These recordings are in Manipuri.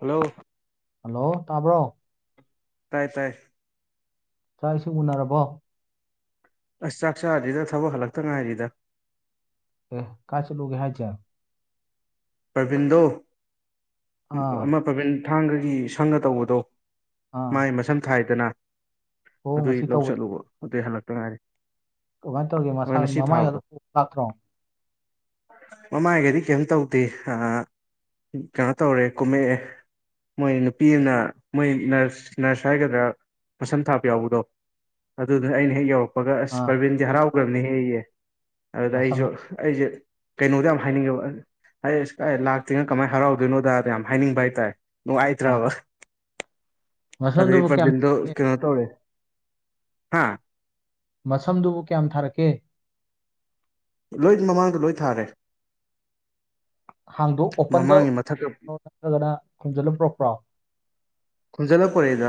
ꯍꯜꯂꯣ ꯍꯜꯂꯣ ꯇꯥꯕ꯭ꯔꯣ ꯇꯥꯏ ꯇꯥꯏ ꯆꯋꯥꯏꯁꯤ ꯎꯅꯔꯕꯣ ꯑꯁ ꯆꯥꯛ ꯆꯥꯁꯤꯗ ꯊꯕꯛ ꯍꯜꯂꯛꯇ ꯉꯥꯏꯔꯤꯗ ꯑꯦ ꯀ ꯆ ꯂꯒꯦ ꯍꯥꯏ ꯆꯦ ꯄ꯭ꯔꯕꯤꯟꯗꯣ ꯑꯥ ꯑꯃ ꯄ꯭ꯔꯥꯕꯤꯟ ꯊꯥꯡꯒꯒꯤ ꯁꯪꯒ ꯇꯧꯕꯗꯣ ꯑꯥ ꯃꯥꯏ ꯃꯁꯝ ꯊꯥꯏꯗꯅ ꯃꯑꯣꯡ ꯑꯗꯨꯏ ꯉꯁꯤ ꯂꯧ ꯇꯧꯕꯗꯣ ꯆꯠꯂꯨꯕ ꯑꯗꯨꯏ ꯍꯜꯂꯛꯇ ꯉꯥꯏꯔꯤ ꯀꯃꯥꯏꯅ ꯇꯧꯔꯤꯒꯦ ꯃꯁꯥ ꯍꯣꯏ ꯉꯁꯤ ꯃꯃꯥꯏꯒ ꯑꯗꯨ ꯊꯥꯕꯗꯣ ꯂꯥꯛꯇ꯭ꯔꯣ ꯃꯃ ꯍꯥꯏꯒꯦꯗꯤ ꯀꯝ ꯇꯧ ꯗꯤ ꯀꯩꯅꯣ ꯇꯧꯔꯦ ꯀꯨꯝꯃꯛꯑꯦ ꯃꯣꯏ ꯅꯨꯄꯤꯅ ꯃꯣꯏ ꯅꯔꯁ ꯅꯔꯁ ꯍꯥꯏꯒꯗ꯭ꯔꯥ ꯃꯁꯝ ꯊꯥꯕ ꯌꯥꯎꯕꯗꯣ ꯑꯗꯨꯗꯨꯅ ꯑꯩꯅ ꯍꯦꯛ ꯌꯧꯔꯛꯄꯒ ꯑꯁ ꯑꯥ ꯄ꯭ꯔꯔꯕꯤꯟꯁꯦ ꯍꯔꯥꯎꯈ꯭ꯔꯕꯅꯤ ꯍꯦꯛ ꯑꯩꯌꯦꯦ ꯑꯗꯨꯗ ꯃꯁꯝ ꯑꯩꯁꯨ ꯑꯩꯁꯦ ꯀꯩꯅꯣꯗ ꯌꯥꯝ ꯍꯥꯏꯅꯤꯡꯉꯦꯕ ꯑꯩꯥꯏ ꯂꯥꯛꯇꯔꯤꯅ ꯀꯃꯥꯏꯅ ꯍꯔꯥꯎꯗꯣꯏꯅꯣꯗ ꯌꯥꯝ ꯍꯥꯏꯅꯤꯡꯕ ꯍꯥꯏꯇꯥꯔꯦ ꯑꯥ ꯅꯨꯡꯉꯥꯏꯇ꯭ꯔꯕ ꯑꯗꯩ ꯃꯁꯝꯗꯨꯕꯨ ꯀꯌꯥꯝ ꯕꯔꯇꯤꯟ ꯗꯣ ꯊꯥꯔꯛꯀꯦ ꯀꯩꯅꯣ ꯇꯧꯔꯦ ꯍꯥ ꯃꯁꯝꯗꯨꯕꯨ ꯀꯌꯥꯝ ꯊꯥꯔꯛꯀꯦ ꯂꯣꯏ ꯃꯃꯥꯡꯗ ꯂꯣꯏ ꯊꯥꯔꯦ ꯍꯥꯡꯗꯣ ꯑꯣꯄꯟꯗ ꯃꯃꯥꯡꯒꯤ ꯃꯊꯛꯀ ꯅꯠꯇ꯭ꯔꯒꯅ ꯈꯨꯝꯖꯤꯜꯂ ꯄꯨꯔꯛꯄ꯭ꯔꯣ ꯈꯣꯟꯖꯜꯂ ꯄꯣꯔꯛꯢꯗ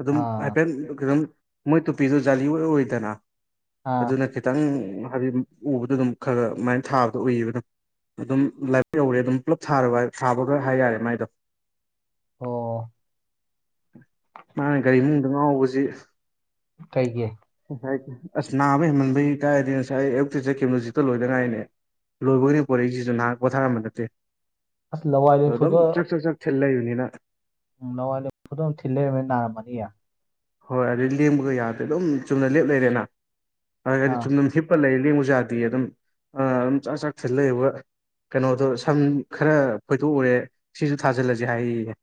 ꯑꯗꯨꯝ ꯑꯥ ꯍꯥꯏꯐꯦꯠ ꯈꯤ ꯃꯣꯏ ꯇꯨꯄꯤꯗꯨ ꯖꯥꯂꯤ ꯑꯣꯏꯗꯅ ꯑꯥ ꯑꯗꯨꯅ ꯈꯤꯇꯪ ꯍꯥꯏꯗꯤ ꯎꯕꯗ ꯑꯗꯨꯝ ꯈꯔ ꯑꯗꯨꯃꯥꯏꯅ ꯊꯥꯕꯗꯣ ꯎꯏꯌꯦꯕ ꯑꯗꯨꯝ ꯑꯗꯨꯝ ꯂꯥꯏꯕꯥꯛ ꯌꯧꯔꯦ ꯑꯗꯨꯝ ꯄꯨꯂꯞ ꯊꯥꯕ ꯈꯔ ꯍꯥꯏ ꯌꯥꯔꯦ ꯃꯥꯏꯗꯣ ꯑꯣ ꯃꯥꯅ ꯒꯥꯔꯤ ꯃꯅꯨꯡꯗ ꯉꯥꯎꯕꯁꯤ ꯀꯩꯒꯤ ꯉꯁꯥꯏ ꯑꯁ ꯅꯥꯕ ꯍꯦꯃꯟꯕꯩ ꯀꯥꯏꯔꯗꯤ ꯉꯁꯥꯏ ꯑꯌꯨꯛꯇ ꯀꯦꯂꯣꯖꯤꯛꯇ ꯂꯣꯏꯅꯉꯥꯏꯅꯦ ꯂꯣꯏꯕꯣꯏ ꯄꯣꯣꯔꯛꯏꯁꯤꯁꯨ ꯅꯍꯥꯛ ꯄꯣꯊꯥꯔꯝꯕ ꯅꯠꯇꯦ ꯑꯁ ꯂꯋꯥꯏ ꯑꯗꯨꯝ ꯂꯦꯝꯐꯨꯗꯣ ꯆꯦꯛ ꯆꯥꯛ ꯆꯥꯛ ꯊꯜ ꯂꯩꯕꯅꯤꯅ ꯎꯝ ꯅꯋꯥꯏꯅ ꯐꯗꯝ ꯊꯤꯜ ꯂꯩꯔꯝꯃꯦꯅ ꯅꯥꯔꯝꯃꯅꯤ ꯌꯥ ꯍꯣꯏ ꯑꯗꯨꯗꯤ ꯂꯦꯡꯕꯒ ꯌꯥꯗ꯭ꯔꯦ ꯑꯗꯨꯝ ꯆꯨꯝꯅ ꯂꯦꯞ ꯂꯩꯔꯦꯅ ꯑꯗꯨꯗꯤ ꯑꯥ ꯆꯨꯝꯅ ꯍꯞ ꯂꯩ ꯂꯦꯡꯉꯖꯥꯗꯤ ꯑꯗꯨꯝ ꯑꯗꯨꯝ ꯆꯥꯛ ꯆꯥꯛ ꯊꯤꯜ ꯂꯩꯕ ꯀꯩꯅꯣꯗꯣ ꯁꯝ ꯈꯔ ꯈꯣꯏꯊꯣꯛꯎꯔꯦ ꯁꯤꯁꯨ ꯊꯥꯖꯤꯜꯂꯁꯦ ꯍꯥꯏꯌꯦ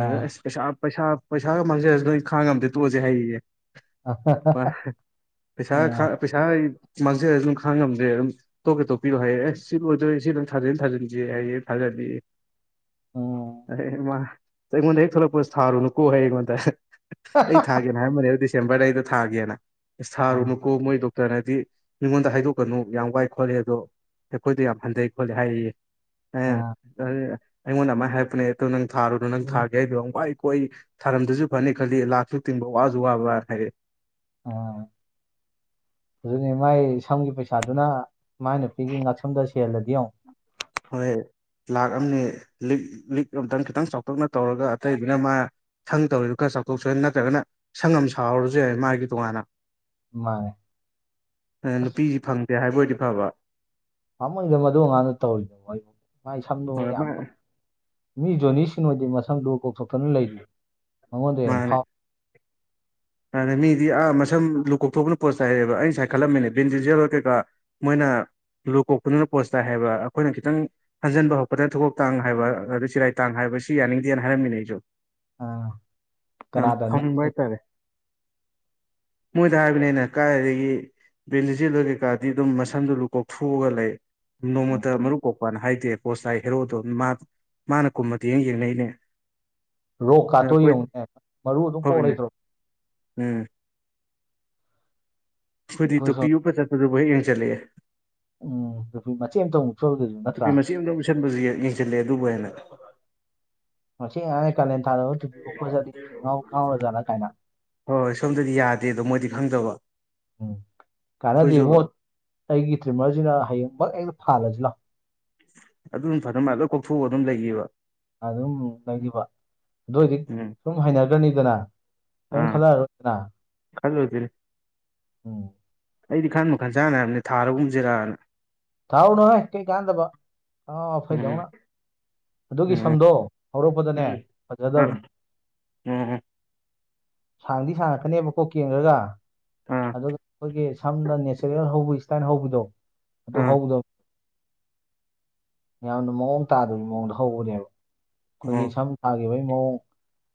ꯑꯗ ꯑꯁ ꯄꯩꯁꯥ ꯄꯩꯁꯥ ꯄꯩꯁꯥꯒ ꯃꯥꯡꯖꯔꯁꯨ ꯅꯣꯏ ꯈꯥꯡꯉꯝꯗꯦ ꯇꯣꯛꯑꯁꯦ ꯍꯩꯌꯦꯦ ꯄꯩꯁꯥ ꯑꯥ ꯄꯩꯁꯥ ꯑꯩ ꯃꯥꯡꯖꯂꯁꯨ ꯑꯗꯨꯝ ꯈꯥꯡ ꯉꯝꯗꯦ ꯑꯗꯨꯝ ꯇꯣꯛꯀꯦ ꯇꯣꯛꯄꯤꯔꯣ ꯍꯥꯏꯌꯦ ꯑꯦꯁ ꯁꯤ ꯂꯣꯏꯗꯣꯏꯦ ꯁꯤ ꯅꯪ ꯊꯥꯖꯤꯟ ꯊꯥꯖꯤꯟꯁꯦ ꯍꯥꯏꯌꯦꯦ ꯊꯥꯖꯜꯂꯤꯦ ꯎꯝ ꯑꯦ ꯏ ꯃꯥ ꯑꯩꯉꯣꯟꯗ ꯍꯦꯛ ꯊꯣꯛꯂꯛꯄ ꯊꯥꯔꯨꯅꯨꯀꯣ ꯍ ꯑꯩꯉꯣꯟꯗ ꯑꯩ ꯊꯥꯒꯦꯅ ꯍꯥꯏꯔꯝꯕꯅꯦ ꯑꯗꯨ ꯗꯤꯁꯦꯝꯕꯔꯗꯩꯗ ꯊꯥꯒꯦꯅ ꯑꯁ ꯊꯥꯔꯨ ꯑꯥ ꯅꯨꯀꯣ ꯃꯣꯏꯗꯣ ꯑꯗꯨꯅꯗꯤ ꯃꯤꯉꯣꯟꯗ ꯍꯥꯏꯗꯣꯛꯀꯅꯨ ꯌꯥꯝ ꯋꯥꯏ ꯈꯣꯠꯂꯦ ꯑꯗꯣ ꯑꯩꯈꯣꯏꯗ ꯌꯥꯝ ꯍꯟꯊꯩ ꯈꯣꯠꯂꯦ ꯍꯥꯏꯌꯦ ꯑ ꯑꯥ ꯑꯗꯨ [inaudible] ꯑꯩꯉꯣꯟꯗ ꯑꯃ ꯍꯥꯏꯔꯛꯄꯅꯦ ꯅꯪ ꯊꯥꯔꯨꯅꯣ ꯅꯪ ꯊꯥꯒꯦ ꯍꯥꯢꯗꯣ ꯋꯥꯢ ꯄꯣꯏ ꯊꯥꯔꯝꯗꯔꯁꯨ ꯐꯅꯤ ꯈꯗꯤ ꯂꯥꯛꯁꯨ ꯇꯤꯟꯕ ꯋꯥꯁꯨ ꯋꯥꯕ ꯍꯥꯏꯔꯛꯌꯦ ꯑꯥ ꯑꯗꯨꯛꯅꯦ ꯃꯥꯏ ꯁꯝꯒꯤ ꯄꯩꯁꯥꯗꯨꯅ ꯃꯥꯏ ꯅꯨꯄꯤꯒꯤ ꯉꯛꯁꯝꯗ ꯁꯤꯍꯥꯜꯂꯗꯤ ꯌꯦꯡꯉꯨ ꯍꯣꯏ ꯂꯥꯛꯑꯅꯤ ꯂꯤꯛ ꯂꯤꯛ ꯑꯃꯝꯇꯪ ꯈꯤꯇꯪ ꯆꯥꯎꯇꯥꯛꯅ ꯇꯧꯔꯒ ꯑꯇꯩꯗꯨꯅ ꯃꯥ ꯁꯪ ꯇꯧꯔꯤꯗꯨ ꯈꯔ ꯆꯥꯎꯊꯣꯛꯆ ꯌꯥ ꯅꯠꯇ꯭ꯔꯒꯅ ꯁꯪ ꯑꯃ ꯁꯥꯥꯍꯥꯎꯔꯁꯨ ꯌꯥꯏ ꯃꯥꯒꯤ ꯇꯣꯉꯥꯟꯅ ꯃꯥꯅꯦ ꯑꯁ ꯅꯨꯄꯤꯁꯤ ꯐꯪꯗꯦ ꯍꯥꯏꯕ ꯑꯣꯏꯔꯗꯤ ꯐꯕ ꯄꯥꯝꯃꯨꯢꯗ ꯃꯗꯨ ꯑꯉꯥꯡꯗꯨꯅ ꯇꯧꯔꯤꯗꯣ ꯑꯩꯕꯨ ꯃꯥꯏ ꯁꯥꯛꯇꯨꯅ ꯍꯣꯏ ꯌꯥꯝ ꯃꯥ ꯐꯖ ꯃꯤ ꯖꯣꯅꯤꯁꯤꯡ ꯑꯣꯏꯗꯤ ꯃꯁꯥꯝꯗꯨꯨ ꯀꯣꯛꯊꯣꯛꯇꯅ ꯂꯩꯔꯤ ꯃꯉꯣꯟꯗ ꯍꯦꯟꯅ ꯃꯥꯅꯦ ꯐꯥꯎ ꯑꯗ ꯃꯤꯗꯤ ꯑꯥ ꯃꯁꯝ ꯂꯨꯀꯣꯛꯊꯣꯛꯄꯅ ꯄꯣꯠ ꯆꯩꯥꯏ ꯍꯥꯏꯔꯦꯕ ꯑꯩꯅ ꯁꯥꯏ ꯈꯠꯂꯝꯃꯤꯅꯦ ꯕꯤꯟꯁꯤ ꯖꯦꯜꯔ ꯀꯩꯀꯥ ꯃꯣꯏꯅ ꯂꯨ ꯀꯣꯛꯄꯗꯨꯅ ꯄꯣꯠꯁ ꯇꯥꯏ ꯍꯥꯏꯕ ꯑꯩꯈꯣꯏꯅ ꯈꯤꯇꯪ ꯍꯟꯖꯤꯟꯕ ꯍꯧꯔꯛꯄꯗ ꯊꯨꯀꯣꯛꯇꯥꯡ ꯍꯥꯏꯕ ꯑꯗꯨ ꯆꯤꯔꯥꯏ ꯇꯥꯡ ꯍꯥꯏꯕꯁꯤ ꯌꯥꯅꯤꯡꯗꯦꯅ ꯍꯥꯏꯔꯝꯃꯤꯅꯦ ꯑꯩꯁꯨ ꯑꯥ ꯑ ꯀꯅꯥꯗ ꯐ ꯋꯥꯏꯇꯥꯔꯦ [inaudible] ꯃꯣꯏꯗ ꯍꯥꯏꯕꯅꯦ ꯑꯩꯅ ꯀꯥꯏꯗꯒꯤ ꯕꯦꯟꯖꯤꯦꯜ ꯑꯣꯏ ꯀꯩꯀꯥꯗꯤ ꯑꯗꯨꯝ ꯃꯁꯝꯗꯨ ꯀꯣꯛꯊꯣꯛꯑꯒ ꯂꯩ ꯅꯣꯡꯃꯇ ꯃꯔꯨ ꯀꯣꯛꯄꯅ ꯍꯥꯏꯗꯦ ꯄꯣꯁ ꯇꯥꯏ ꯍꯦꯔꯣꯗꯣ ꯃꯥ ꯃꯥꯅ ꯀꯨꯝꯃꯗꯤ ꯌꯦꯡ ꯌꯦꯡꯅꯩꯅꯦ ꯔꯣꯛ ꯀꯥꯇꯣ ꯑꯩꯈꯣꯏ ꯌꯦꯡꯉꯨꯅꯦ ꯃꯔꯨ ꯑꯗꯨꯝ ꯀꯣꯛ ꯍꯣꯏꯅꯦ ꯂꯩꯇ꯭ꯔꯣ ꯎꯝ ꯑꯩꯈꯣꯏꯗꯤ ꯑꯩꯈꯣꯏ ꯁꯣꯝ ꯇꯣꯄꯤ ꯎꯨꯞꯄ ꯆꯠꯄꯗꯨꯕꯨ ꯍꯦꯛ ꯌꯦꯡꯁꯤꯜꯂꯛꯑꯦ ꯎꯝ ꯇꯨꯄꯤ ꯃꯆꯦꯠ ꯑꯃꯇꯪ ꯎꯨꯞꯆꯕꯗꯨꯁꯨ ꯅꯠꯇ꯭ꯔꯥ ꯏꯁꯟꯕꯁꯨ ꯌꯦꯡꯁꯤꯜꯂꯦ ꯑꯗꯨꯕꯨ ꯍꯦꯟꯅ ꯃꯁꯤ ꯑꯉꯥꯡꯁꯦ ꯀꯂꯦꯟ ꯊꯥꯗꯥ ꯑꯥꯎꯕꯥ ꯇꯨꯄꯤ ꯎꯞꯄ ꯆꯠꯂꯤ ꯉꯥꯎꯔꯥ ꯖꯠꯂꯅ ꯍꯣꯏ ꯍꯣꯏ ꯁꯣꯝꯗꯗꯤ ꯌꯥꯗꯦ ꯑꯗꯣ ꯃꯣꯏꯗꯤ ꯈꯪꯗꯕ ꯎꯝ ꯑꯩꯈꯣꯏꯁꯨ ꯀꯥꯟꯅꯗꯦꯕꯣ ꯑꯩꯒꯤ ꯇ꯭ꯔꯤꯝꯃꯔꯁꯤꯅ ꯍꯌꯦꯡꯃꯛ ꯍꯛꯇ ꯐꯥꯜꯂꯁꯤ ꯂꯥꯎ ꯑꯗꯨꯝ ꯐꯗꯧ ꯃꯥꯜꯂꯦ ꯂꯣꯏ ꯀꯣꯛꯊꯣꯛꯑꯒ ꯑꯗꯨꯝ ꯂꯩꯕ ꯑꯗꯨꯝ ꯂꯩꯔꯤꯕ ꯑꯗꯨ ꯅꯣꯏꯗꯤ ꯎꯝ ꯁꯨꯝ ꯍꯩꯅꯈ꯭ꯔꯅꯤꯗꯅ ꯄꯤꯝ ꯑꯥ ꯈꯜꯂꯔꯣꯏꯗꯅ ꯈꯜꯂꯨꯗꯣꯏꯅꯦ ꯎꯝ ꯑꯩꯗꯤ ꯈꯟꯕꯨ ꯈꯟꯖꯥꯟꯅꯔꯕꯅꯦ ꯊꯥꯔꯒꯨꯝꯖꯤꯔꯅ ꯊꯥꯎꯅꯨꯍꯣꯏ ꯀꯩ ꯀꯥꯟꯗꯕ ꯑꯉꯥꯎ ꯎꯝ ꯑꯐꯩꯗꯧꯅ ꯑꯗꯨꯒꯤ ꯎꯝ ꯁꯝꯗꯣ ꯍꯧꯔꯛꯄꯗꯅꯦ ꯎꯝ ꯑꯥ ꯐꯖꯗꯕꯅꯤ ꯎꯝ ꯁꯥꯡꯗꯤ ꯁꯥꯡꯉꯛꯀꯅꯦꯕꯀꯣ ꯀꯦꯟꯒ꯭ꯔꯒ ꯑꯥ ꯑꯗꯨꯒ ꯑꯩꯈꯣꯏꯒꯤ ꯁꯝꯗ ꯅꯦꯆꯔꯦꯜ ꯍꯧꯕꯒꯤ ꯏꯁꯇꯥꯏꯟ ꯍꯧꯕꯤꯗꯣ ꯑꯗꯨ ꯑꯥ ꯍꯧꯗꯝ ꯌꯥꯝꯅ ꯃꯑꯣꯡ ꯇꯥꯗꯕꯤ ꯃꯑꯣꯡꯗ ꯍꯧꯕꯅꯦꯕ ꯑꯩꯈꯣꯏꯒꯤ ꯎꯝ ꯁꯝ ꯊꯥꯒꯤꯕꯒꯤ ꯃꯑꯣꯡ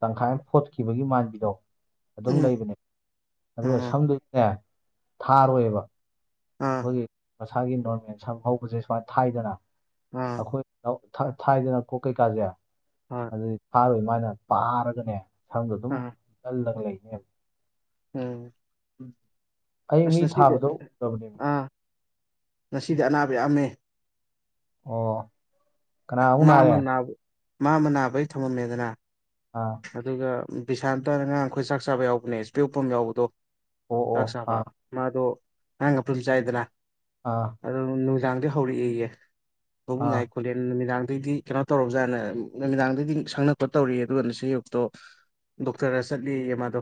ꯇꯪꯈꯥꯏ ꯑꯃ ꯐꯣꯠꯈꯤꯕꯒꯤ ꯃꯥꯟꯕꯤꯗꯣ ꯑꯗꯨꯝ ꯎꯝ ꯂꯩꯕꯅꯦ ꯑꯗꯨꯒ ꯎꯝ ꯁꯝꯗꯨꯖꯨꯅꯦ ꯊꯥꯔꯣꯏꯕ ꯑꯥ ꯑꯩꯈꯣꯏꯒꯤ ꯃꯁꯥꯒꯤ ꯅꯣꯔꯃꯦꯜ ꯁꯝ ꯍꯧꯕꯁꯦ ꯁꯨꯃꯥꯏꯅ ꯊꯥꯏꯗꯅ ꯑꯥ ꯑꯩꯈꯣꯏ ꯊꯥꯏꯗꯅ ꯀꯣꯛ ꯀꯩꯀꯥꯁꯦ ꯃꯥꯅꯦ ꯑꯗꯨꯗꯤ ꯐꯥꯔꯣꯏ ꯃꯥꯥꯏꯅ ꯄꯥꯔꯒꯅꯦ ꯁꯝꯗꯣ ꯑꯗꯨꯝ ꯑꯥ ꯀꯜꯂꯒ ꯂꯩꯅꯦꯕ ꯎꯝ ꯑꯩ ꯃꯤ ꯉꯁꯤꯗꯤ ꯊꯥꯕꯗꯣ ꯎꯗꯕꯅꯦꯃꯤ ꯑꯥ ꯉꯁꯤꯗꯤ ꯑꯅꯥꯕ ꯌꯥꯝꯃꯦ ꯑꯣ ꯀꯅꯥ ꯑꯃꯨꯛ ꯃꯥ ꯅꯥꯔꯦ ꯑꯃ ꯅꯥꯕꯩ ꯃꯥ ꯑꯃ ꯅꯥꯕꯒꯤ ꯊꯝꯃꯝꯃꯦꯗꯅ ꯑꯥ ꯑꯗꯨꯒ ꯕꯤꯁꯥꯟꯇꯅ ꯑꯉꯥꯡ ꯑꯩꯈꯣꯏ ꯆꯥꯛ ꯆꯥꯕ ꯌꯥꯎꯕꯅꯦ ꯏꯄꯦꯛ ꯎꯨꯞꯄ ꯑꯃ ꯌꯥꯎꯕꯗꯣ ꯑꯣ ꯑꯣ ꯆꯥꯛ ꯆꯥꯕ ꯑꯥ ꯃꯥꯗꯣ ꯅꯪꯒ ꯄꯨꯂꯤ ꯆꯥꯏꯗꯅ ꯑꯥ ꯑꯗꯨꯝ ꯅꯨꯡꯗꯥꯡꯗꯩ ꯍꯧꯔꯛꯑꯦꯌꯦ ꯃꯕꯨꯛ ꯑꯥ ꯅꯥꯏ ꯈꯣꯠꯂꯦ ꯎꯝ ꯅꯨꯃꯤꯗꯥꯡꯗꯩꯗꯤ ꯀꯩꯅꯣ ꯇꯧꯔꯕꯖꯥꯠꯅꯦ ꯅꯨꯃꯤꯗꯥꯡꯗꯩꯗꯤ ꯁꯪꯅꯛꯄ ꯇꯧꯔꯦꯌꯦ ꯑꯗꯨꯒ ꯅꯁꯤꯌꯨꯛꯇꯣ ꯗꯣꯛꯇ꯭ꯔꯗ ꯆꯠꯂꯦꯑꯦ ꯃꯥꯗꯣ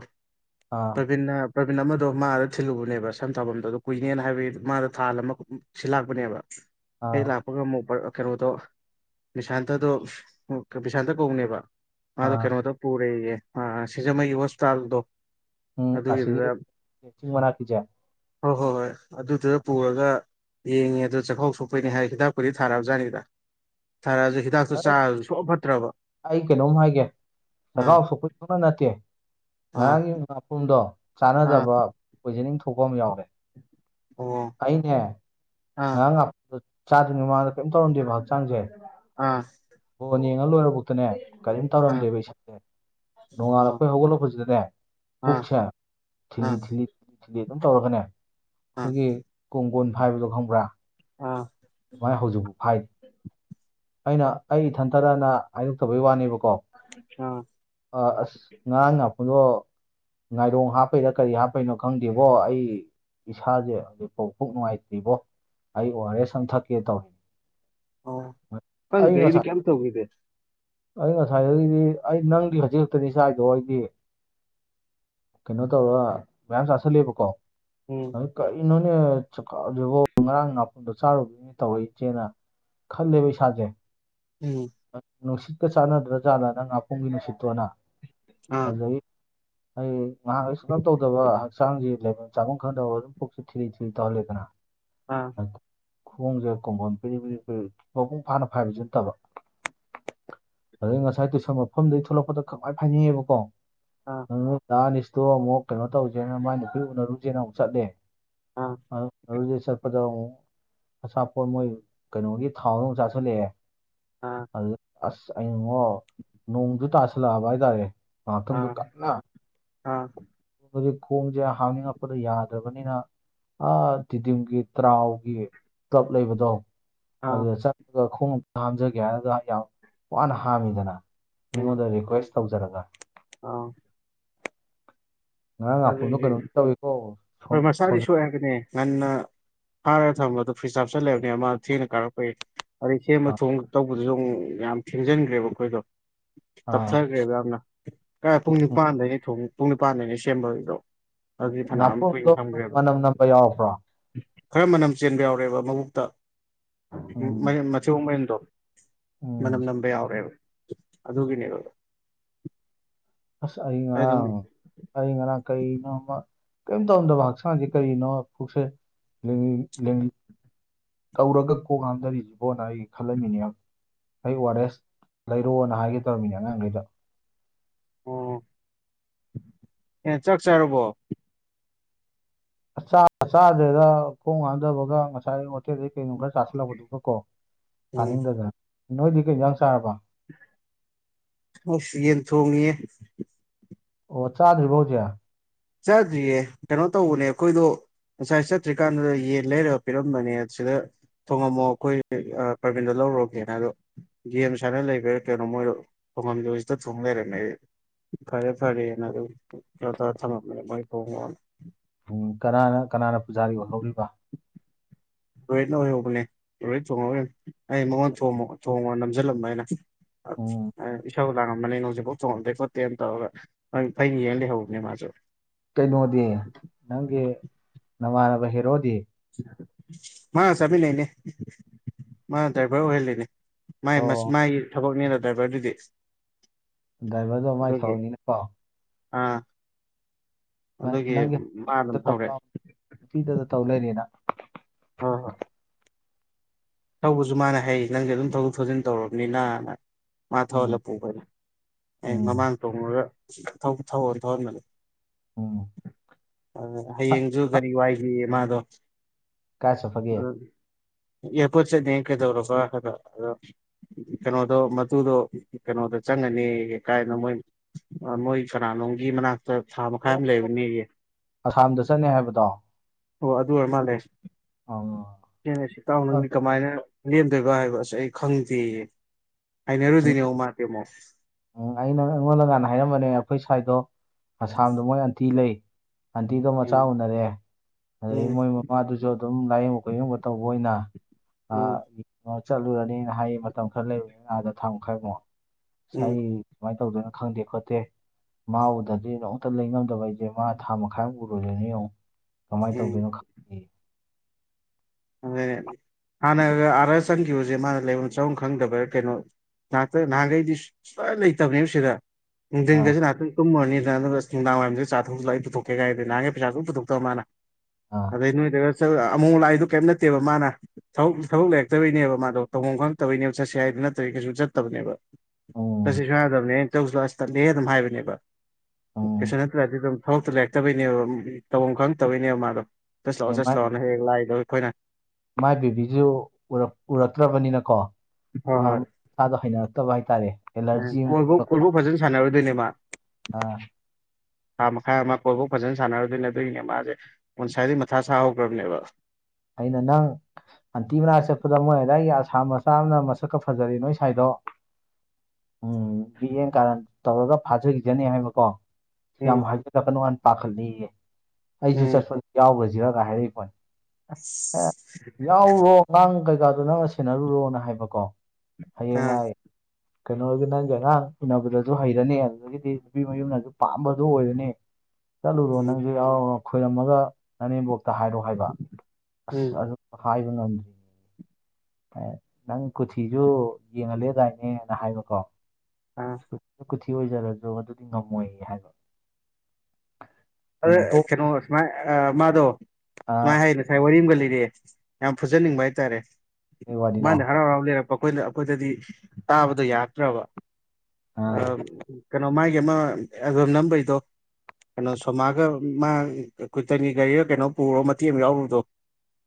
ꯑꯥ ꯄ꯭ꯔꯕꯤꯟꯅ ꯄ꯭ꯔꯕꯤꯟ ꯑꯃꯗꯣ ꯃꯥ ꯑꯗ ꯊꯤꯜꯂꯨꯕꯅꯦꯕ ꯁꯝ ꯊꯥꯕꯝꯗꯣ ꯑꯗ ꯀꯨꯏꯅꯦꯅ ꯍꯥꯏꯕꯒꯤ ꯃꯥꯗ ꯊꯥꯍꯜꯂꯝꯃꯒ ꯁꯤ ꯂꯥꯛꯄꯅꯦꯕ ꯍꯦꯛ ꯑꯥ ꯂꯥꯛꯄꯒ ꯑꯃꯨꯛ ꯄ꯭ꯔ ꯀꯩꯅꯣꯗꯣ ꯕꯤꯁꯥꯟꯇꯗꯣ ꯕꯤꯁꯥꯟꯇ ꯀꯧꯕꯅꯦꯕ ꯃꯥꯗꯣ ꯑꯥ ꯀꯩꯅꯣꯗ ꯄꯨꯔꯦꯌꯦ ꯃꯥ ꯑ ꯁꯤꯡꯖꯃꯩꯒꯤ ꯍꯣꯁꯄꯤꯇꯥꯜꯗꯣ ꯎꯝ ꯑꯁꯤꯒꯤ ꯑꯗꯨꯒꯤꯗꯨꯗ ꯆꯤꯡ ꯃꯅꯥꯛꯀꯤꯖꯦ ꯍꯣꯏ ꯍꯣꯏ ꯍꯣꯏ ꯑꯗꯨꯗꯨꯗ ꯄꯨꯔꯒ ꯌꯦꯡꯉꯦ ꯑꯗꯣ ꯆꯥꯛꯈꯥꯎ ꯁꯣꯛꯄꯩꯅꯦ ꯍꯥꯏ ꯍꯤꯗꯥꯛꯄꯨꯗꯤ ꯊꯥꯔꯛꯑꯕꯖꯥꯠꯅꯤꯗ ꯊꯥꯔꯛꯑꯖꯨ ꯍꯩꯁ ꯑꯩ ꯀꯩꯅꯣꯝ ꯍꯥꯏꯒꯦ ꯑꯥ ꯆꯈꯥꯎ ꯁꯣꯛꯄꯒꯤ ꯁꯨꯡꯅꯠ ꯅꯠꯇꯦ ꯑꯥ ꯉꯔꯥꯡꯒꯤ ꯉꯥꯄ꯭ꯔꯨꯝꯗꯣ ꯑꯥ ꯆꯥꯟꯅꯗꯕ ꯄꯣꯏꯖꯅꯤꯡ ꯊꯣꯛꯄ ꯑꯃ ꯌꯥꯎꯔꯦ ꯑꯣ ꯑꯩꯅꯦ ꯑꯥ ꯉꯔꯥꯡ ꯉꯥꯄ꯭ꯔꯨꯝꯗꯣ ꯆꯥꯗ꯭ꯔꯤꯉꯩ ꯃꯃꯥꯡꯗ ꯀꯩꯝ ꯇꯧꯔꯝꯗꯦꯕ ꯍꯛꯆꯥꯡꯁꯦ ꯑꯥ ꯕꯣꯟ ꯌꯦꯡꯉ ꯂꯣꯏꯔꯕꯧꯇꯅꯦ ꯀꯔꯤꯝ ꯑꯥ ꯇꯧꯔꯝꯗꯦꯕ ꯏꯁꯥꯁꯦ ꯑꯥ ꯅꯣꯡꯉꯥꯜꯂꯛꯄꯩ ꯍꯧꯒꯠꯂꯛꯄꯖꯤꯗꯅꯦ ꯑꯥ ꯄꯨꯛꯁꯦ ꯑꯥ ꯊꯤꯜꯂꯤ ꯑꯥ ꯊꯤꯜꯂꯤ ꯊꯤꯜꯂꯤ ꯑꯗꯨꯝ ꯇꯧꯔꯒꯅꯦ ꯑꯥ ꯑꯩꯈꯣꯏꯒꯤ ꯀꯣꯡꯒꯣꯟ ꯐꯥꯏꯕꯗꯣ ꯈꯪꯕ꯭ꯔꯥ ꯑꯥ ꯑꯗꯨꯃꯥꯏ ꯍꯧꯖꯤꯛꯕꯧ ꯐꯥꯏ ꯑꯩꯅ ꯑꯩ ꯏꯊꯟꯇꯔꯅ ꯍꯥꯏꯗꯣꯛꯇꯕꯩ ꯋꯥꯅꯦꯕꯀꯣ ꯑ ꯑ ꯑꯁ ꯉꯔꯥꯡ ꯅꯄꯨꯗꯣ ꯉꯥꯏꯔꯣꯡ ꯍꯥꯞꯄꯩꯔ ꯀꯔꯤ ꯍꯥꯞꯄꯩꯅꯣ ꯈꯪꯗꯦꯕꯣ ꯑꯩ ꯏꯁꯥꯖꯦ ꯍꯩꯖꯤꯛꯐꯥꯎ ꯄꯨꯛ ꯅꯨꯡꯉꯥꯏꯇ꯭ꯔꯤꯕꯣ ꯑꯩ ꯑꯣ ꯑꯥꯔ ꯑꯦꯁ ꯑꯃ ꯊꯛꯀꯦ ꯇꯧꯔꯤ ꯑꯣ ꯑꯩ ꯈꯪꯗꯦ ꯑꯩꯗꯤ ꯉꯁꯥꯥꯏ ꯀꯩꯝ ꯇꯧꯈꯤꯗꯦ ꯑꯩ ꯉꯁꯥꯏꯗꯒꯤꯗꯤ ꯑꯩ ꯅꯪꯗꯤ ꯍꯧꯖꯤꯛ ꯈꯛꯇꯅꯤ ꯆꯥꯏꯗꯣ ꯑꯩꯗꯤ ꯀꯩꯅꯣ ꯇꯧꯔ ꯃꯌꯥꯝ ꯆꯥꯁꯜꯂꯦꯕꯀꯣ ꯎꯝ ꯑꯗꯨ ꯀꯔꯤꯅꯣꯅꯦꯣ ꯉꯔꯥꯡ ꯃꯥꯄꯟꯗꯣ ꯆꯥꯔꯨꯕꯒꯤꯅꯦ ꯇꯧꯔꯛꯏ ꯏꯆꯦꯅ ꯈꯜꯂꯦꯕ ꯏꯁꯥꯁꯦ ꯎꯝ ꯅꯨꯡꯁꯤꯠꯀ ꯆꯥꯟꯅꯗ꯭ꯔꯥꯖꯥꯠꯂꯥ ꯅꯪ ꯑꯄꯨꯝꯒꯤ ꯅꯨꯡꯁꯤꯠꯇꯣꯅ ꯑ ꯗꯒꯤ ꯑꯩ ꯉꯥꯏꯍꯥꯛ ꯁꯨ ꯀꯞ ꯇꯧꯗꯕ ꯍꯛꯥꯡꯁꯤ ꯂꯩ ꯆꯥꯈꯨꯝ ꯈꯟꯗꯕ ꯑꯗꯨꯝ ꯄꯨꯛꯁꯤ ꯊꯤꯔꯤ ꯊꯤꯔꯤ ꯇꯧꯍꯜꯂꯦꯗꯅ ꯑꯥ ꯈꯣꯡꯁꯦ ꯀꯣꯝꯄꯥꯎꯟ ꯄꯤꯔꯤ ꯃꯄꯨꯡ ꯐꯥꯅ ꯐꯥꯏꯕꯁꯨ ꯅꯠꯇꯕ ꯑꯗꯩ ꯉꯁꯥꯏ ꯇꯨꯏꯁꯟ ꯃꯐꯝꯗꯩ ꯊꯣꯛꯂꯛꯄꯗ ꯈꯪꯐꯥꯏ ꯐꯥꯏꯅꯤꯡꯉꯦꯕꯀꯣ ꯑ ꯑꯃꯨꯛ ꯗꯥꯥ ꯑꯅꯤꯁꯇꯣ ꯑꯃꯨꯛ ꯀꯩꯅꯣ ꯇꯧꯖꯦꯅ ꯃꯥꯏ ꯅꯨꯄꯤ ꯎꯅꯔꯨꯖꯦꯅ ꯑꯃꯨꯛ ꯆꯠꯂꯦ ꯑꯥ ꯑꯗꯨ ꯑꯗꯨꯒꯤ ꯆꯠ ꯑꯗꯣꯡ ꯑꯆꯥꯄꯣꯠ ꯃꯣꯏ ꯀꯩꯅꯣꯒꯤ ꯊꯥꯎꯗ ꯑꯃꯨꯛ ꯆꯥꯁꯤꯜꯂꯛꯑꯦ ꯑ ꯑꯗꯨꯗ ꯑꯁ ꯑꯩꯅꯉꯣ ꯅꯣꯡꯖꯨ ꯇꯥꯥꯁꯜꯂꯛꯑꯕ ꯍꯥꯏꯇꯥꯔꯦ ꯉꯍꯥꯛꯇꯪꯗꯣ ꯑꯥ ꯀꯟꯅ ꯑꯥ ꯍꯧꯖꯤꯛ ꯈꯣꯡꯖꯦ ꯍꯥꯥꯞꯅꯤꯡꯉꯛꯄꯗ ꯌꯥꯗ꯭ꯔꯕꯅꯤꯅ ꯑꯥ ꯇꯤꯗꯤꯝꯒꯤ ꯇꯔꯥꯎꯒꯤ ꯀ꯭ꯂꯞ ꯂꯩꯕꯗꯣ ꯑꯥ ꯑꯗꯨꯗ ꯆꯠꯂꯒ ꯈꯣꯡꯇ ꯍꯥꯝꯖꯒꯦ ꯑꯗꯨꯗ ꯌꯥꯝ ꯋꯥꯅ ꯍꯥꯝꯃꯤꯗꯅ ꯑꯩꯉꯣꯟꯗ ꯔꯤꯀ꯭ꯋꯦꯁ ꯇꯧꯖꯔꯒ ꯑꯥꯎ ꯉꯔꯥꯡ ꯍꯥꯥꯛꯄꯟꯗꯣ ꯑꯗꯨꯒꯤ ꯀꯩꯅꯣꯝ ꯇꯧꯋꯀꯣ ꯅꯦ ꯉꯟꯅ ꯐꯥꯔꯒ ꯊꯝꯕꯗꯣ ꯐ꯭ꯔꯤꯖ ꯑꯥꯞ ꯆꯠꯂꯦꯕꯅꯦ ꯃꯥ ꯊꯦꯡꯅ ꯀꯥꯔꯛꯄꯒꯤ ꯑ ꯁꯦꯝꯕ ꯑꯥ ꯊꯣꯡ ꯇꯧꯕꯗꯨꯁꯨ ꯑꯃꯨꯛ ꯌꯥꯝ ꯊꯦꯡꯖꯤꯟꯈ꯭ꯔꯦꯕ ꯑꯩꯈꯣꯏꯗꯣ ꯑꯥ ꯇꯞꯊꯈ꯭ꯔꯦꯕ ꯌꯥꯝꯅ ꯀ ꯄꯨꯡ ꯎꯝ ꯅꯤꯄꯥꯟꯗꯅꯤ ꯊ ꯄꯨꯡ ꯅꯤꯄꯥꯟꯗꯅꯤ ꯁꯦꯝꯕꯒꯤꯗꯣ ꯑꯗꯨꯗꯤ ꯐꯅꯌꯥꯝ ꯀꯨꯏꯅ ꯉꯥꯄꯨꯝꯗꯣ ꯊꯝꯈ꯭ꯔꯦꯕ ꯃꯅꯝ ꯅꯝꯕ ꯌꯥꯎꯕ꯭ꯔꯣ ꯈꯔ ꯃꯅꯝ ꯆꯦꯟꯕ ꯌꯥꯎꯔꯑꯦꯕ ꯃꯕꯨꯇ ꯎꯝ ꯃꯊꯤ ꯃꯌꯟꯗꯣ ꯎꯝ ꯃꯅꯝ ꯅꯝꯕ ꯌꯥꯎꯔꯦꯕ ꯑꯗꯨꯒꯤꯅꯦꯕ ꯑꯁ ꯑꯌ ꯑꯗꯨꯝ ꯉꯔꯥꯡ ꯑꯌ ꯉꯔꯥꯡ ꯀꯔꯤꯅꯣ ꯑꯃ ꯀꯔꯤꯝ ꯇꯧꯔꯝꯗꯕ ꯍꯛꯆꯥꯡꯁ ꯀꯔꯤꯅꯣ ꯐꯁꯦ ꯂ ꯂ ꯇꯧꯔꯒ ꯀꯣꯛ ꯉꯥꯡꯗꯔꯤꯁꯤꯕꯣꯅ ꯑꯩꯒꯤ ꯈꯜꯂꯝꯃꯤꯅꯦ ꯑꯩ ꯑꯣ ꯑꯔ ꯑꯦꯁ ꯂꯩꯔꯣꯅ ꯍꯥꯏꯒꯦ ꯇꯧꯕꯃꯤꯅꯦ ꯑꯉꯥꯡꯈꯩꯗ ꯑꯣ ꯑꯦꯦ ꯆꯥꯛ ꯆꯥꯔꯕꯣ ꯆꯥꯗ꯭ꯔꯗ ꯈꯣꯡ ꯍꯥꯥꯊꯕꯒ ꯉꯁꯥꯏ ꯍꯣꯇꯦꯜꯗꯒꯤꯩ ꯀꯩꯅꯣꯝ ꯈꯔ ꯆꯥꯁꯤꯜꯂꯛꯄꯗꯣ ꯑꯗꯨꯒ ꯀꯣ ꯎꯝ ꯇꯥꯅꯤꯡꯗꯗꯅ ꯅꯣꯏꯗꯤ ꯀꯩꯒ ꯆꯥꯔꯕ ꯍ ꯌꯦꯟ ꯊꯣꯡꯉꯌꯦꯦ ꯑꯣ ꯆꯥꯗ꯭ꯔꯤ ꯐꯥꯎꯖꯌꯥ ꯆꯥꯗ꯭ꯔꯤꯌꯦ ꯀꯩꯅꯣ ꯇꯧꯕꯅꯦ ꯑꯩꯈꯣꯏꯗꯣ ꯉꯁꯥꯏ ꯆꯠꯇ꯭ꯔꯤꯀꯥꯟꯗꯨꯗ ꯌꯦꯟ ꯂꯩꯔꯒ ꯄꯤꯔꯝꯕꯅꯦ ꯁꯤꯗ ꯊꯣꯡꯉꯝꯃꯣ ꯑꯩꯈꯣꯏ ꯄ꯭ꯔꯕꯤꯟꯗꯣ ꯂꯧꯔꯨꯔꯒꯦꯅ ꯑꯗꯣ ꯒꯦꯝ ꯁꯨꯥꯏꯅ ꯂꯩꯕꯥ ꯀꯩꯅꯣ ꯃꯣꯏꯗ ꯈꯨꯡꯒꯪꯗꯖꯤꯗ ꯊꯣꯡ ꯂꯩꯔꯝꯃꯦ ꯑꯩ ꯐꯔꯦ ꯐꯔꯦꯅ ꯑꯗꯨ ꯊꯝꯃꯤ ꯃꯣꯏ ꯐꯣꯡꯉ ꯎꯝ ꯀꯅꯥꯅ ꯀꯅꯥꯅ ꯄꯨꯖꯥꯔꯤ ꯑꯣꯏꯠꯍꯧꯔꯤꯕ ꯔꯣꯍꯤꯠꯅ ꯑꯣꯏꯍꯧꯕꯅꯦ ꯔꯣꯍꯤꯠ ꯊꯣꯡꯉ ꯑꯩ ꯃꯉꯣꯟꯗ ꯊꯣꯡꯉ ꯅꯝꯁꯤꯜꯂꯝꯕ ꯑꯩꯅ ꯎꯝ ꯑ ꯊꯧꯧ ꯂꯥꯡꯉꯝꯕꯅꯦ ꯅꯣꯡꯁꯦꯐꯥꯎ ꯆꯣꯡꯍꯟꯗꯦ ꯈꯣꯠꯇꯦꯅ ꯇꯧꯔꯒ ꯑꯩꯅ ꯌꯦꯡ ꯂꯩꯍꯧꯕꯅꯦ ꯃꯥꯁꯨ ꯀꯩꯅꯣꯗꯤ ꯅꯪꯒꯤ ꯅꯃꯥꯟꯅꯕ ꯍꯦꯔꯣꯗꯤ꯫ ꯃꯥꯒ ꯆꯥꯃꯤꯟ ꯅꯩꯅꯦ ꯃꯥ ꯗ꯭ꯔꯥꯏꯚꯔ ꯑꯣꯏꯍꯜꯂꯤꯅꯦ꯫ ꯃꯥꯏ ꯑꯣ ꯃꯥꯏꯒꯤ ꯊꯕꯛꯅꯤꯅ ꯗ꯭ꯔꯥꯏꯚꯔꯗꯨꯗꯤ꯫ ꯗ꯭ꯔꯥꯏꯚꯔꯗꯣ ꯃꯥꯏ ꯑꯗꯨꯒꯤ ꯊꯕꯛꯅꯤꯅꯀꯣ꯫ ꯑꯥ ꯃꯥꯏ ꯑꯗꯨꯒꯤ ꯅꯪꯒꯤ ꯃꯥ ꯑꯗꯨꯝ ꯍꯦꯔꯣꯗ ꯇꯧ ꯊꯧꯔꯦ꯫ ꯂꯥꯎ ꯅꯨꯄꯤꯗꯗ ꯇꯧ ꯂꯩꯔꯦꯅ꯫ ꯍꯣ ꯍꯣꯏ꯫ ꯇꯧꯕꯁꯨ ꯃꯥꯅ ꯍꯩ ꯅꯪꯁꯦ ꯑꯗꯨꯝ ꯊꯧꯖꯤꯛ ꯊꯧꯖꯤꯟ ꯇꯧꯔꯕꯅꯤꯅ ꯃꯥ ꯊꯧꯍꯜꯂ ꯎꯝ ꯄꯨꯈꯅꯤ ꯑꯩ ꯎꯝ ꯃꯃꯥꯡ ꯇꯣꯡꯉꯒ ꯊꯧꯍ ꯊꯧꯍꯟꯕꯅꯦ ꯎꯝ ꯑ ꯍꯌꯦꯡꯁꯨ ꯀꯔꯤ ꯋꯥꯏꯈꯤꯌꯦ ꯃꯥꯗꯣ ꯀꯥꯏ ꯆꯠꯄꯒꯦ ꯎꯝ ꯌꯦꯄꯠꯁꯦ ꯅꯡ ꯀꯗꯧꯔꯕꯣ ꯀꯩꯅꯣꯗꯣ ꯃꯨꯗꯣ ꯀꯩꯅꯣꯗꯣ ꯆꯪꯉꯅꯤ ꯀꯥꯏꯅ ꯃꯣꯏ ꯃꯣꯏ ꯀꯅꯥꯅꯣꯝꯒꯤ ꯃꯅꯥꯛꯇ ꯊꯥ ꯃꯈꯥꯏ ꯑꯣ ꯑꯃ ꯂꯩꯕꯅꯦ ꯑꯩꯌꯦ ꯑꯁꯥꯝꯗ ꯆꯠꯅꯤ ꯍꯥꯏꯕꯗꯣ ꯑꯣ ꯑꯗꯨ ꯑꯣꯏꯔ ꯃꯥꯜꯂꯦ꯫ ꯑ꯫ ꯑꯩꯅ ꯑꯁ ꯇꯥꯎ ꯅꯪꯗꯤ ꯀꯃꯥꯏꯅ ꯂꯦꯝꯗꯣꯏꯕ ꯍꯥꯏꯕ ꯑꯁ ꯑꯩ ꯈꯪꯗꯦꯌꯦ꫰꫰ ꯍꯥꯏꯅꯔꯨꯗꯣꯏꯅꯤ ꯃꯥꯁꯤ ꯑꯃꯣꯛ꯫ ꯎꯝ ꯑꯩꯅ ꯑꯩꯉꯣꯟꯗ ꯅꯍꯥꯟ ꯍꯥꯏꯔꯝꯕꯅꯦ ꯑꯩꯈꯣꯏ ꯁꯥꯏꯠꯇꯣ ꯑꯁꯥꯝꯗꯣ ꯃꯣꯏ ꯑꯟꯇꯤ ꯂꯩ꯫ ꯑꯥꯟꯇꯤꯗꯣ ꯃꯆꯥ ꯎꯝ ꯎꯅꯔꯦ ꯑꯗꯨꯗꯩ ꯎꯝ ꯃꯣꯏ ꯃꯄꯥꯗꯨꯁꯨ꯫ ꯁꯨ ꯑꯗꯨꯝ ꯂꯥꯏꯌꯦꯡꯕ ꯀꯨꯌꯦꯡꯕ ꯇꯧꯕ ꯑꯣꯏꯅ ꯎꯝ ꯑꯥ ꯆꯠꯂꯨꯔꯅꯤ꯫ ꯍꯥꯏꯌꯦ ꯃꯇꯝ ꯈꯔ ꯂꯩꯕ ꯑꯥꯗ ꯊꯥꯡ ꯃꯈꯥꯏꯃꯣꯛ꯫ ꯎꯝ ꯑꯩ ꯁꯨꯃꯥꯏꯅ ꯇꯧꯗꯣꯏꯅ ꯈꯪꯗꯦ ꯈꯣꯠꯇꯦ ꯃꯥ ꯎꯗꯔꯗꯤ ꯅꯣꯡꯇ ꯂꯩꯉꯝꯗꯕ ꯑꯩ꯫ ꯁꯦ ꯃꯥ ꯊꯥ ꯃꯈꯥꯏꯃꯨꯛ ꯎꯔꯣꯏꯗꯣꯏꯅꯤ ꯌꯣꯡ ꯀꯃꯥꯏꯅ ꯎꯝ ꯇꯧꯗꯣꯏꯅꯣ꯫ ꯈꯪꯗꯦ ꯑꯗꯨꯅꯦ ꯍꯥꯟꯅꯒ ꯑꯥꯔ ꯆꯪꯈꯤꯕꯁꯦ ꯃꯥꯅ ꯂꯩꯔ ꯆꯥꯐꯝ ꯈꯪꯗꯕ ꯀꯩꯅꯣ꯫ ꯉꯍꯛꯇ ꯅꯍꯥꯟꯈꯩꯗꯤ ꯁꯨꯡꯂꯩ ꯂꯩꯇꯕꯅꯦꯕ ꯁꯤꯗ ꯑꯥ ꯅꯨꯡꯊꯤꯟꯒꯁ ꯉꯅꯥꯥꯛꯇꯪ꯫ ꯇꯨꯝꯃꯨꯔꯅꯤꯗꯅ ꯑꯗꯨꯒ ꯅꯨꯡꯗꯥꯡꯏꯝꯁꯨ ꯆꯥ ꯊꯥꯛꯎꯁꯤ ꯂꯥꯎ ꯑꯩ ꯄꯨꯊꯣꯛꯀꯦ ꯀ ꯍꯥꯏꯗꯣꯏꯅꯤ ꯅꯍꯥꯟꯈꯩ ꯄꯩꯁꯥ ꯁꯨꯡꯄꯨ ꯄꯨꯊꯣꯛꯇꯕ ꯃꯥꯅ꯫ ꯑꯥ꯫ ꯑꯗꯩꯩ ꯅꯣꯏꯗ ꯆꯠ ꯑꯃꯨꯛ ꯂꯥꯛꯏꯗꯨ ꯀꯩꯝꯕꯅꯠꯇꯦꯕ ꯃꯥꯅ꯫ ꯊꯛ ꯊꯕꯛ ꯂꯩꯔꯛꯇꯕꯩꯅꯦꯕ ꯃꯥꯗꯣ ꯇꯧꯐꯝ ꯈꯪꯉꯛꯇꯕꯩꯅꯦꯕ ꯆꯠꯁꯦ ꯍꯥꯏꯗꯨ ꯅꯠꯇ꯭ꯔꯗꯤ ꯀꯩꯁꯨ ꯆꯠꯇꯕꯅꯦꯕ꯫ ꯆꯁꯤ ꯎꯝ ꯁꯨꯡꯌꯥ ꯌꯥꯗꯕꯅꯦ ꯆꯧꯁꯤꯂꯥꯎ ꯍꯥꯏꯁꯨ ꯇꯥꯜꯂꯤꯍꯦ ꯑꯗꯨꯝ ꯍꯥꯏꯕꯅꯦꯕ꯫ ꯎꯝ ꯀꯩꯁꯨ ꯅꯠꯇ꯭ꯔꯗꯤ ꯑꯗꯨꯝ [unintelligible] ꯊꯕꯛ ꯂꯩꯔꯛꯇꯕꯩꯅꯦꯕ ꯇꯧꯐꯝ ꯈꯪꯉꯛꯇꯥꯕꯩꯅꯦꯕ ꯃꯥꯗꯣ꯫ ꯆꯠꯁꯤ ꯂꯥꯎ ꯆꯠꯁꯤ ꯃꯥꯏ ꯂꯥꯎꯅ ꯍꯦꯛ ꯍꯦꯛ ꯂꯥꯛꯏꯗꯣ ꯑꯩꯈꯣꯏꯅ꯫ ꯃꯥꯏ ꯕꯦꯕꯤꯁꯨ ꯎꯔꯛꯇ꯭ꯔꯕꯅꯤꯅꯀꯣ꯫ ꯍꯣꯏ ꯍꯣꯏ ꯃꯥꯗꯣ ꯍꯩꯅꯔꯛꯇꯕ ꯍꯥꯏꯇꯥꯔꯦ꯫ ꯎꯝ ꯑꯦꯂꯔꯖꯤ ꯑꯃ ꯀꯣꯏꯕꯨ ꯊꯣꯛꯂꯛꯄ ꯀꯣꯜꯕꯨ ꯐꯖꯅ ꯁꯥꯟꯅꯔꯣꯏꯗꯣꯏꯅꯦ ꯃꯥ꯫ ꯑꯥ꯫ ꯊꯥ ꯃꯈꯥꯏ ꯑꯃ ꯀꯣꯏꯐꯥꯎ ꯐꯖꯅ ꯁꯥꯟꯅꯔꯗꯣꯏꯅꯦ ꯑꯗꯨꯒꯤꯅꯦ ꯃꯥꯁꯦ꯫ [unintelligible] ꯃꯊꯥ ꯁꯥ ꯍꯧꯈ꯭ꯔꯕꯅꯦꯕ꯫ ꯑꯩꯅ ꯅꯪ꯫ ꯑꯟꯇꯤ ꯃꯅꯥ ꯆꯠꯄꯗ ꯃꯣꯏ ꯑꯗꯥꯏꯒꯤ ꯑꯁꯥꯝ ꯃꯆꯥ ꯑꯃꯅ ꯃꯁꯛꯀ ꯐꯖꯔ ꯅꯣꯏ ꯁꯥꯏꯗꯣ꯫ ꯎꯝ ꯃꯤꯠꯌꯦꯡ ꯀꯥꯔꯟ ꯇꯧꯔꯒ ꯐꯥꯖꯈꯤꯒꯅꯤ ꯍꯥꯏꯕꯀꯣ꯫ ꯎꯝ ꯌꯥꯝ ꯍꯥꯏꯖꯤꯜꯂꯛꯀ ꯅꯣ ꯄꯥꯈꯠꯂꯤꯌꯦ ꯑꯩꯁꯨ ꯎꯝ ꯆꯠꯄ ꯌꯥꯎꯕꯁꯤꯔꯒ ꯍꯥꯏꯔꯛꯏꯄꯣꯠꯅꯦ꯫ ꯑꯁ꯫ ꯌꯥꯎꯔꯨꯔꯣ ꯑꯉꯥꯡ ꯀꯩꯀꯥꯗꯣ ꯅꯪꯅ ꯁꯦꯟꯅꯔꯨꯔꯣꯅ ꯍꯥꯏꯕꯀꯣ ꯑꯥ ꯍꯌꯦꯡꯋꯥꯏ꯫ [inaudible] ꯀꯩꯅꯣꯒ ꯅꯪꯒ ꯑꯉꯥꯡ ꯎꯅꯕꯗꯁꯨ ꯍꯩꯔꯅꯤ ꯑꯗꯨꯗꯒꯤꯗꯤ ꯅꯨꯄꯤ ꯃꯌꯨꯝꯅꯁꯨ ꯄꯥꯝꯕꯗꯨ ꯑꯣꯏꯔꯅꯤ꯫ ꯆꯠꯂꯨꯔꯣ ꯎꯝ ꯅꯪꯁꯨ ꯌꯥꯎꯔꯨꯔꯣ ꯈꯣꯏꯔꯝꯃꯒ ꯅꯅꯦꯝꯕꯣꯛꯇ ꯍꯥꯏꯔꯣ ꯍꯥꯏꯕ꯫ ꯎꯝ ꯑꯁ ꯑꯗꯨꯝ ꯍꯥꯏꯕ ꯉꯝꯗ꯭ꯔꯤꯌꯦ꯫ ꯑꯦ ꯅꯪ ꯀꯨꯊꯤꯁꯨ ꯌꯦꯡꯍꯜꯂꯦ ꯗꯥꯏꯅꯦꯅ ꯍꯥꯏꯕꯀꯣ ꯎꯝ ꯀ ꯀꯨꯊꯤ ꯑꯣꯏꯖꯔꯖꯨ ꯑꯗꯨꯗꯤ ꯉꯝꯃꯣꯏ ꯍꯥꯏꯕ ꯑꯗ ꯑꯩꯅ ꯇꯣꯛ ꯀꯩꯅꯣ ꯁꯨꯃꯥꯏ ꯑ ꯃꯥꯗꯣ ꯑ ꯁꯨꯃꯥꯏ ꯍꯥꯏꯅꯦ ꯉꯁꯥꯏ ꯋꯥꯔꯤ ꯑꯝꯒ ꯂꯤꯔꯦ ꯌꯥꯝ ꯐꯨꯖꯅꯤꯡꯕ ꯍꯥꯏꯇꯥꯔꯦ ꯀꯩ ꯋꯥꯔꯤꯅꯣ ꯃꯥꯅ ꯍꯔꯥꯎ ꯍꯔꯥꯎ ꯂꯤꯔꯛ ꯃꯈꯣꯏꯅ ꯑꯩꯈꯣꯏꯗꯗꯤ ꯇꯥꯕꯗꯣ ꯌꯥꯔꯛꯇ꯭ꯔꯕ ꯑ ꯀꯩꯅꯣ ꯃꯥꯒꯤ ꯑꯃ ꯑꯦꯜꯕꯝ ꯅꯝꯕꯩꯗꯣ ꯀꯩꯅꯣ ꯊꯣꯃꯥꯒ ꯃꯥ ꯀꯨꯇꯟꯒꯤ ꯒꯥꯔꯤꯒ ꯀꯩꯅꯣ ꯄꯨꯔꯥ ꯃꯇꯦꯛ ꯑꯃ ꯌꯥꯎꯔꯨꯕꯗꯣ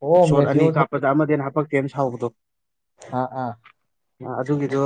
ꯑꯣ ꯁꯣꯔꯠ ꯑꯅꯤ ꯃꯦꯇꯤꯑꯣ ꯀꯥꯞꯄꯗ ꯑꯃꯗꯩꯩ ꯍꯦꯟꯅ ꯍꯥꯞꯄꯛꯇꯦꯅ ꯁꯥꯎꯕꯗꯣ ꯑꯥ ꯑꯥ ꯑꯗꯨꯒꯤꯗꯣ